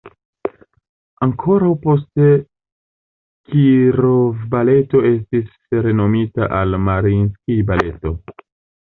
Ankoraŭ poste Kirov-Baleto estis renomita al "Mariinskij-Baleto".